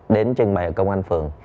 đến trình bày ở công an phường